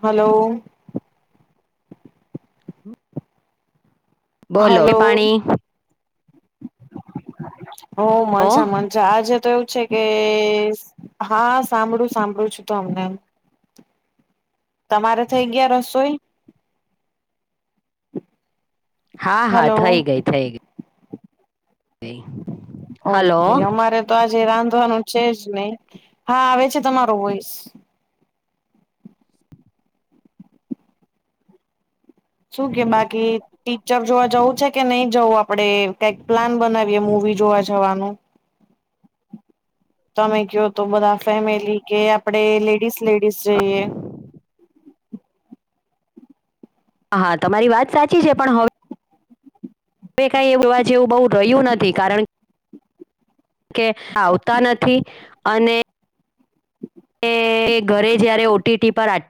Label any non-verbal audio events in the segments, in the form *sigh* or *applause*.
Hello. બોલો એ hello, પાણી હો ઓ, મંજા મં જ આજે તો એવું છે કે હા સાંભળું-સાંભળું છું તમને. તમારે થઈ ગયા રસોઈ? હા, હા હલો થઈ ગઈ, થઈ ગ ઈ. ઓકે. અમારે તો આજે રાંધવાનું છે જ નહીં. હા આવે છે તમારો વોઈસ. શું કે બાકી ટીચર જોવા જવું છે કે નહી જવું આપ પણે કેંઈક પ્લાન બનાવીએ મૂવી જોવા જવાનું. તમે કયો તો બધા ફેમિલી કે આપડે લેડીસ-લેડીસ જઈએ. હા તમારી વાત સાચી છે, પણ હવ વે કાંઈ *inaudible* જેવું બહુ રહ્યું નથી કારણ કે કે આવતા નથી, અને ને એ ઘરે જયારે ઓ ટી ટી પર આટ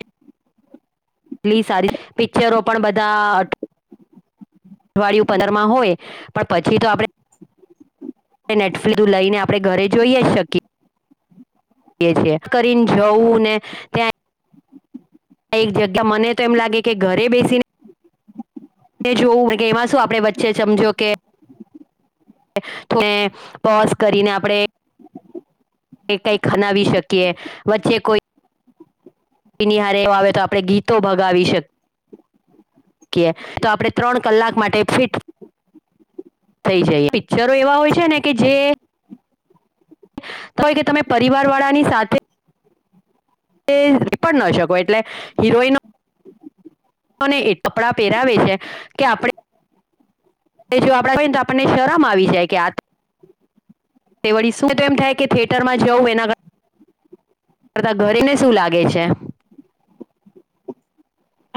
ટલી સારી, પિક્ચરો પણ બધા અઠ વાડિયું પંદર માં હોય પણ પછી તો આપડે નેટફ્લ *unintelligible* લઈને આપણે ઘરે જોઈએ જ શકી એ છે, કરીન જવું ને ત્યાં એક જગ્યા મને તો એમ લાગે કે ઘરે બેસીન તે જોવું કે એમાં શું આપણે વચ્ચે સમજો કે ને પોઝ કરીને આપણે ને કંઈક ખનાવી શકીએ. વચ્ચે કોઈ નિહારે આવે તો આપણે ગીતો ભગાવી શક કીએ, તો આપણે ત્રણ કલાક માટે ફિટ થઈ જઈએ. પિક્ચરો એવા હોય છે ને કે જે તોય કે તમે પરિવાર વાળાની સાથે એ પણ નો શકો, એટલે હિરોઈનો અને એ કપડા પહેરાવે કે આપણે એજો આપડે જોઈએ ને તો આપણને શરમ આવી જાય કે આ તે વળી શું તો એમ થાય કે થિયેટરમાં જવું એના કર ઘરેને શું લાગે છે?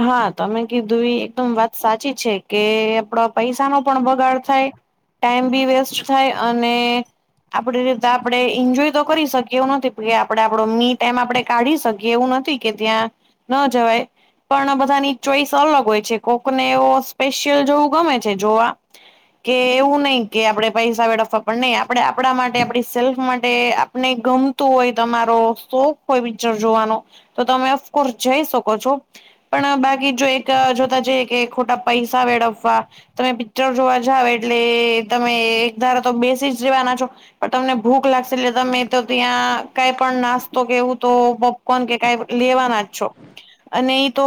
હા તમે કીધું એ એકદમ વાત સાચી છે કે આપડા પૈસા નો પણ બગાડ થાય. ટાઈમ બી વેસ્ટ થાય અને આપડી રીતે આપણે એન્જોય તો કરી શકીએ એવું નથી કે આપડે આપડો મી ટાઈમ આપડે કાઢી શકીએ એવું નથી. કે ત્યાં ન જવાય. પણ બધાની ચોઈસ અલગ હોય છે કોકને એવો સ્પેશિયલ જોવું ગમે છે જોવા. કે એવું નય કે આપણેે પૈસા વેળવવા પણ નય આપણે આપણા માટે આપડી સેલ્ફ માટે આપણે ગમ તો એ તમારો શોખ હોય પિક્ચર જોવાનો તો તમે અફકોર્સ જઈ શકો છો. પણ અ બાકી જો એક જોતા જઈએ કે ખોટા પૈસા વેડફવા તમે પિક્ચર જોવા જાવ એટલે તમે એક ધારા તો બેસી જ રેવાના છો. પણ તમને ભૂખ લાગશે એટલે તમે તો ત્યાં કાઈ પણ નાસ્તો કે એવું તો પ પોપકોન કે કાઈ લેવાના જ છો. અને ઈ તો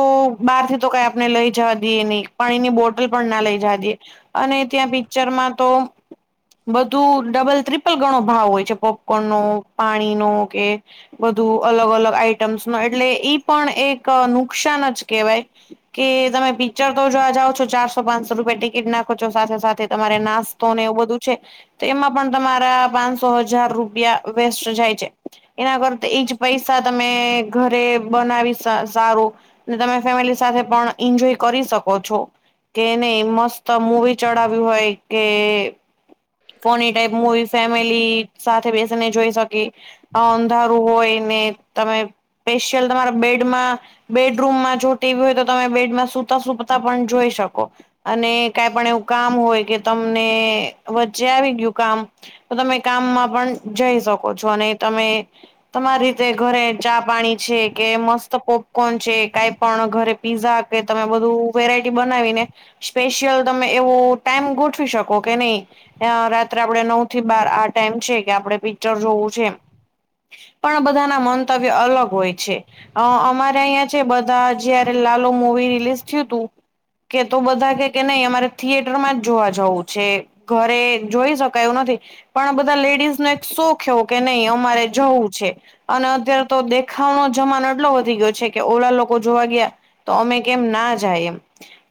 બહાર થી તો કઈ આપણ ને લઈ જવા દઈએ નય પાણી ની બોટલ પણ ના લઈ જવા દઈ. અને ત્યાં પિક્ચર માં તો બધું ડબલ, ટ્રિપલ ગણો ભાવ હોય છે. પોપકોર્ન નો, પાણી નો કે બધું અલગ અલગ આઈટમ્સ માં એટલે ઈ પણ એક નુકસાન જ કેહવાય. કે તમે પિક્ચર તો જોવા જાઓ છો. ચારસો, પાંનસો રૂપિયા ટિકિટ ના આપો છો સાથે સાથે તમારે નાસ્તો ને એવું બધું છે તો એમાં પણ તમારા પાંનસો હજાર રૂપિયા વેસ્ટ જાય છે. એના કરતા ઈ જ પૈસા તમે ઘરે બનાવી ત સારું તમે ફેમિલી સાથે પણ એન્જોય કરી શકો છો. કે નય મસ્ત મુૂવી ચડાવ્યું હોય કે ફોની ટાઈપ મુવી ફેમિલી સાથે બેસીને જોઈ શકે. અંધારું હોય ને તમે સ્પેશિયલ તમારા બેડ બેડ માં બેડરૂમમાં જો ટીવી હોય તો તમે બેડમાં સુતા સુતા પણ જોઈ શકો. અને કાઈ પણ એવું કામ હોય કે તમને વચ્ચે આવી ગીયું કામ તો તમે કામમાં પણ જઈ શકો છો અને તમે તમારી રીતે ઘરે ચા, પાણી છે કે મસ્ત તો પોપકોર્ન છે, કાઈ પણ ઘરે પીઝા કે તમે બધું વેરાયટી બનાવી ને સ્પેશિયલ તમે એવું ટાઈમ ગોઠવી શકો કે નય. રાત્રે આપડે નવ થી બાર આ ટાઈમ છે કે આપણે પિક્ચર જોવું છે પણ બધાના મંતવ્ય અલગ હોય છે. અ અમારે અહિયાં છે બધા જયારે લાલુ મુવી રિલીઝ થીયું તું- - કે તો બધા કેય કે નય અમારે થિયેટર માં જ જોવા જવું છે. ઘરે જોઈ શકાય એવું નથી. પણ બધા લેડીઝ નો એક શોખ એવો કે નય અમારે જવું છે. અને અત્યારે તો દેખાવનો જમાનો- એટલો વધી ગયો છે કે ઓલા લોકો જોવા ગયા તો અમે કેમ ના જાયે.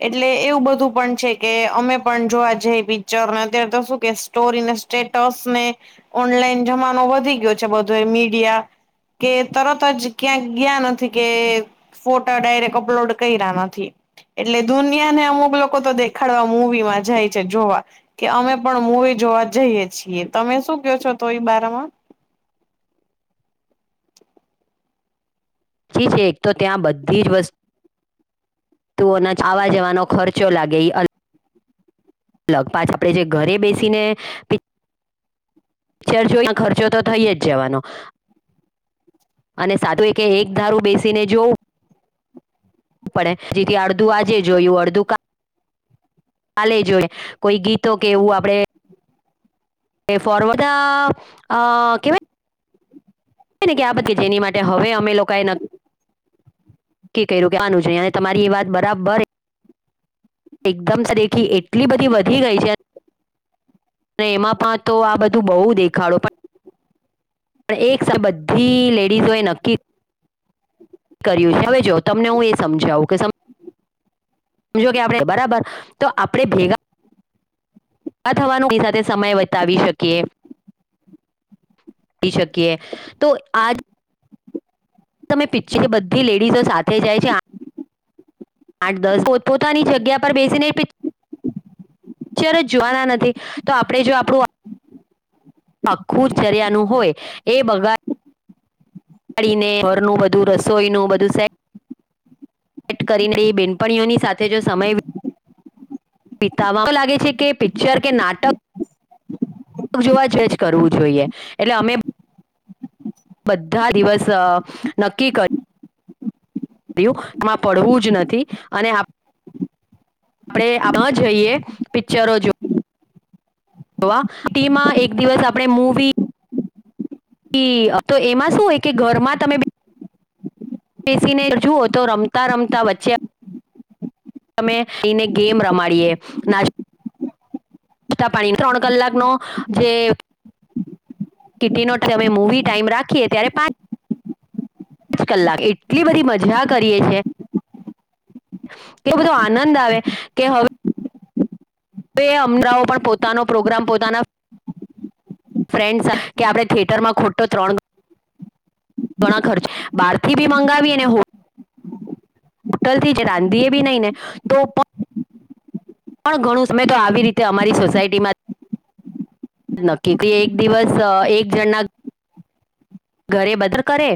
એટલે એવું બધું પણ છે કે અમે પણ જોવા જઈએ પિક્ચરને અત્યારે તો શું કે સ્ટોરીને- - સ્ટેટસ ને ઓનલાઈન જમાનો વધી ગયો છે બધો એ મીડિયા કે તરત જ ક્યા ગીયા નથી કે ફોટા ડાયરેક્ટ અપલોડ કર્યા નથી. એટલે દુનિયાને અમુક લોકો તો દેખાડવા મૂવીમાં જાય છે જોવા- - કે અમે પણ મુૂવી જોવા જઈએ છીએ. તમે શું કહો છો તો ઈ બારે માં? *unintelligible* તો ત્યાં બધી જ વસ્તુ- - તો આવા જવાનો ખર્ચો લાગે- - લગ પાંચ, આપડે જે ઘરે બેસીને પિચ્ચર જોઈન ખર્ચો તો થઈ જ જવાનો. અને સાધું એ કે એક ધારૂ બેસીને જોવું પડે જેથી અડધું આજે જોયું, અડધું કા લે જોએ. કોઈ ગીતો કે એવું આપડે ફોરવડ અ કેવા યને કે આ બધી જેની માટે હવે અમે લોકાએ એ નક્ કી ક્યું કેવાનું છે અને તમારી એ વાત બરાબર એકદમ સરખી એટલી બધી વધી ગઈ છે! અને એમાં પા તો આ બધું બહુ દેખાડો પણ પણ એક સા બધી લેડીઝો એ નક્કી કર્યું છે. હવે જો તમને હું એ સમજાવું કે સં સમજો કે આપણે બરાબર? તો આપણે ભેગા ભેગા થવાનુંની એની સાથે સમય બતાવી શકીએ તી શકીએ. તો આ તમે પિચ્ચર બધી લેડીઝો સાથે જાય છે આઠ દસ, પોત પોતાની જગ્યા પર બેસીને પિ ચ્ચર જોવાના નથી, તો આપણેે જો આપણું આખું ચર્યા નું હોય, એ બગા ડીને ઘરનું બધું રસોઈનું બધું સે ટ કરીને બેનપણીઓની સાથે જો સમય બીતાવા, મન તો લાગે છે કે પિક્ચર કે નાટક જોવા જજ કરવું જોઈએ, એટલે અમે બધા દિવસ અ નક્કી કર કેમાં પડવું જ નથી અને આ પણે આમાં જઈએ, પિક્ચરો જો વા ટીમાં એક દિવસ આપણે મૂવી તો એમાં શું હોય કે ઘરમાં તમે બેસીને જુઓ, તો રમતા રમતા વચ્ચે તમે મળીને ગેમ રમાડીએ નાસ્ તા પાણી, ત્રણ કલાકનો જે કિટટી નો તમે મૂવી ટાઈમ રાખીએ ત્યારે પા ચ કલાક, એટલી બધી મજા કરીએ છે! એ બધો આનંદ આવે કે હવે અમરાઓ પણ પોતાનો પ્રોગ્રામ પોતાના ફ્રેન્ડ સા કે આપણે થિયેટરમાં ખોટો ત્રણ ઘણા ખર્ચ, બાર થી બી મંગાવીને હો ટલ થી જ, રાંધીએ બી નહી ને, તો પ પણ ઘણું સમય તો આવી રીતે અમારી સોસાયટીમાં નક્કી કે એક દિવસ અ એક જણ ના ઘરે બધા કરે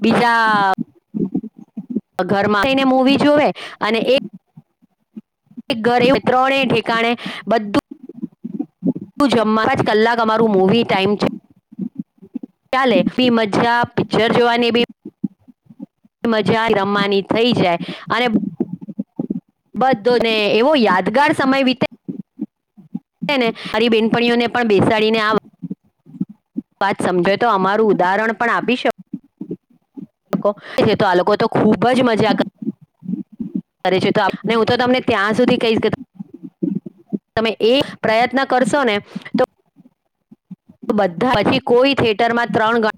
બીજા ઘર માં આવીને મૂવી જોવે અને એક ઘરે *unintelligible* ત્રણે ઠેકાણે, બધું હુ જમવા પાંચ કલાક અમારું મૂવી ટાઈમ છે. ચાલે બી મજા પિક્ચર જોવાની બી મજા રમવાની થઈ જાય અને બધો ને એવો યાદગાર સમય વિતે હે ને હરી બેનપણીઓ ને પણ બેસાડીને આવ વાત સમજાય તો અમારું ઉદાહરણ પણ આપી શ કો કે આ લોકો તો ખુબ જ મજા કર કરે છે તો ને અને હું તો તમને ત્યાં સુધી કહીશ કે તમે એ પ્રયત્ન કરશો ને તો બધા પછી કોઈ થિેટરમાં ત્રણ ગ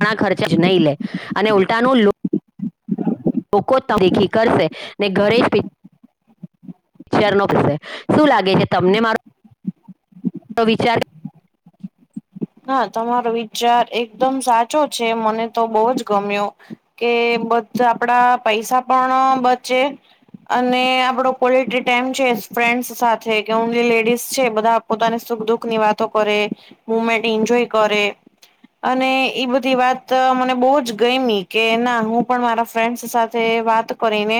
ણા ખર્ચે જ નઈ લે, અને લે ઉલટાનું લો લોકો જ *unintelligible* ત દેખી કરશે ને ઘરે જ *inaudible* શું લાગે છે તમને મારો વિચાર હા તમારો વિચાર એકદમ સાચો છે મને તો બહુ જ ગમ્યો કે બધ આપડા પૈસા પણ બચે અને આપડો કોલ એમ છે ફ્રેન્ડસ સાથે કે ઓનલી લેડીસ છે બધા પોતાને સુખ દુઃખ ની વાતો કરે મુમેન્ટ એન્જોય કરે અને એ બધી વાત મને બહુ જ ગમી કે ના હું પણ મારા ફ્રેન્ડસ સાત થે વાત કરીને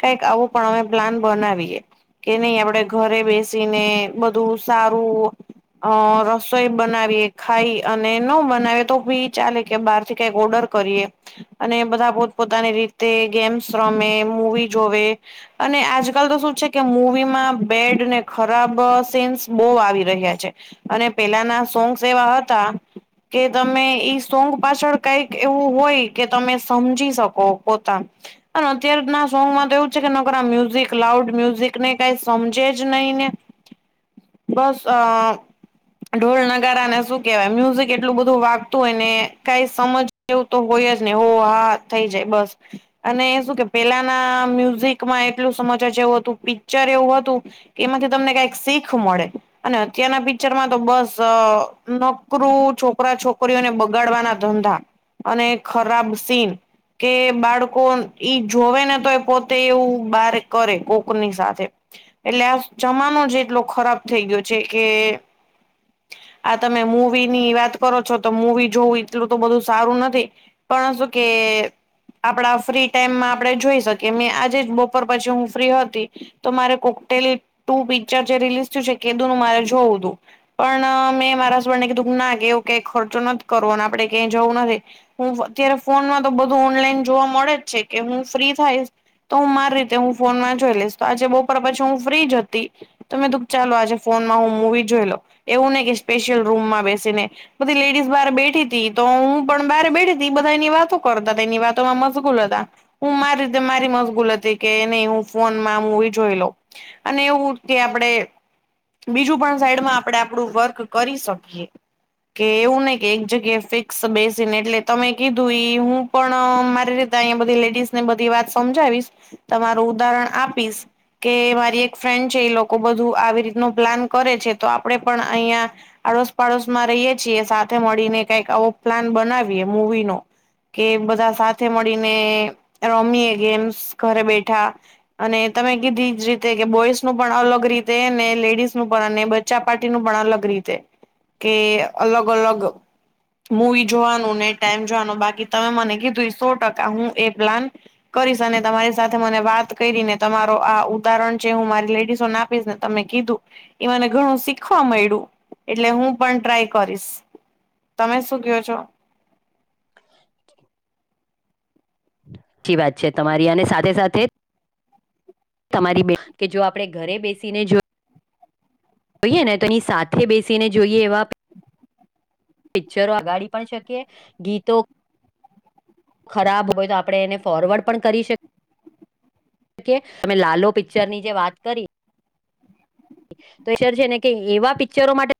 કઈક આવું પણ અમે પ્લાન બનાવીએ કે નહી આપડે ઘરે બેસીને બધું સારું અ રસોઈ બનાવીએ ખાઈ અને ન બનાવે તો બી ચાલે કે બહાર થી કઈક ઓર્ડર કરીએ અને બધા પોતપોતાની રીતે ગેમ્સ રમે મૂવી જોવે અને આજકાલ તો શું છે કે મૂવીમાં બેડ ને ખરાબ સેન્સ બહુ આવી રહ્યા છે અને પેલાના સોંગ સેવા હતા કે તમે ઈ સોંગ પાછળ કઈક એવું હોય કે તમે સમજી શકો પોતા અને અત્યાર ના સોંગમાં તો એવું છે કે નોકરા મ્યુઝિક લાઉડ મ્યુઝિક ને કઈ સમજે જ નહીં ને *inaudible* બસ અ ઢોલના *unintelligible* શું કેવાય મ્યુઝિક એટલું બધું વાગતું હોય ને કઈ સમજ એવું તો હોય જ ને હો હા થઈ જાય બસ અને શું કે પેલાના મ્યુઝિકમાં એટલું સમાચાર જેવું હતું પિક્ચર એવું હતું કે એમાંથી તમને કઈક શીખ મળે અને અત્યારના પિક્ચર માં તો બસ અ નકરું છોકરા છોકરીઓને બગાડવાના ધંધા અને ખરાબ સીન કે બાળકો ઈ જોવે ને તો એ પોતે એવું બાર કરે કોકની સાથે એટલે આ જમાનો જ એટલો ખરાબ થઈ ગયો છે કે આ તમે મૂવી ની વાત કરો છો તો મૂવી જોવું એટલું તો બધું સારું નથી પણ શું કે આપડા ફ્રી ટાઈમમાં આપણે જોઈ શકીએ મેં આજે જ બપોર પછી હું ફ્રી હતી તો મારે કોકટેલ ટુ પિક્ચર જે રિલીઝ થયું છે કધું નું મારે જોવું હતું પણ મેં મારાને કીધું ના કેવું ક ખર્ચો નથી કરવો અને આપડે ક્યાય જવું નથી હું અત્યારે ફોનમાં તો બધું ઓનલાઈન જોવા મળે જ છે કે હું ફ્રી થાયશ તો હું મારી રીતે હું ફોનમાં જોઈ લઈશ તો આજે બપોર પછી હું ફ્રી જ હતી તોમેં તો ચાલો આજે ફોન માં હું મુવી જોઈ લો એવું નહી કે સ્પેશિયલ રૂમમાં બેસીને બધી લેડીઝ બહાર બેઠી હતી તો હું પણ બહાર બેઠી તી બધા એની વાતો કરતા એની વાતોમાં મશગૂલ હતા હું મારી રીતે મારી મશગૂલ હતી કે નહી હું ફોનમાં મુવી જોઈ લોઉ અને એવું કે આપડે બીજું પણ સાઈડમાં આપણેે આપડું વર્ક કરી શકીએ કે એવું નને કે એક જગ્યાએ ફિક્સ બેસીને એટલે તમે કીધું એ હું પણ મારી રીતે અહીયા બધી લેડીસ ને બધી વાત સમજાવીશ તમારું ઉદાહરણ આપીશ કે મારી એક ફ્રેન્ડ છે એ લોકો બધું આવી રીત ન પ્લાન કરે છે તો આપડે પણ અહં આડોશ પાડોશ માં રહીએ છીએ સાથે મળીને કઈક આવો પ્લાન બનાવીએ મૂવી નો કે બધા સાથે મળીને રમી એ ગેમ્સ ઘરે બેઠા અને તમે કીધી જ રીતે કે બોઇસ નું પણ અલગ રીતે ને લેડીઝ નું પણ અને બચ્ચા પાર્ટી ન બણા અલગ રીતે કે અલગ અલગ મૂવી જોવાનું ને ટાઈમ જોવાનું બાકી તમે મને કીધું સો ટકા હું એ પ્લાન કરીશ અને તમારી સાથે મને વાત કરીને તમારો આ ઉદાહરણ છે હું મારી લેડીસો ના તમે કીધું એને ઘણુ શીખ શીખવા મળ્યું એટલે હું પણ ટ્રાય કરીશ તમે શું કો છો? સાચ્ચી વાત છે તમારી આને સાથે સાથે તમારી કે જો આપણે ઘરે બેસીને જો જોઈએ ને તો એની સાથે બેસીને જોઈએ એવા પિક્ચરો આગાડી પણ શકીએ ગીતો ખરાબ હોય તો આપણે એને ફોરવર્ડ પણ કરી શકીએ. કે તમે લાલો પિક્ચર ની જે વાત કરી તો સર છે ને કે એવા પિક્ચરો માટે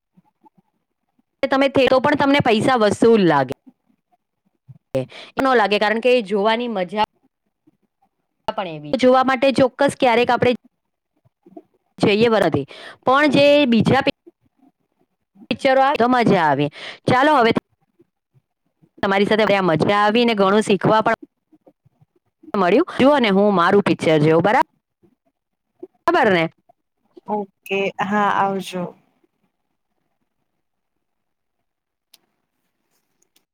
તમે થ તો પણ તમને પૈસા વસુલ લાગે. એ ન લાગે કારણ કે જોવાની મજા તો જોવા માટે ચોક્કસ ક્યારેક આપણે જઈએ બરાથી પણ જે બીજા પિક્ચરો આવે તો મજા આવે ચાલો હવે તમારી સાથે મજા આવી ને ઘણું શીખવા પણ મળ્યું જો અને હું મારું પિક્ચર જોઉ બરાબર. બરાબરને. ઓકે હા આવજો.